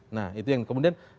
nah itu yang kemudian